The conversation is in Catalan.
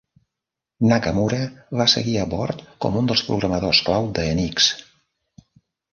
Nakamura va seguir a bord com un dels programadors clau d'Enix.